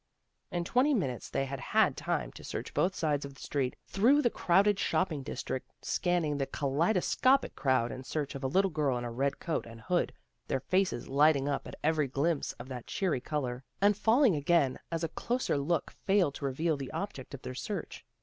In twenty minutes they had had time to search both sides of the street through the crowded shopping district, scanning the kalaido scopic crowd in search of a little girl in a red coat and hood, their faces lighting up at every glimpse of that cheery color, and falling again as a closer look failed to reveal the object of their search.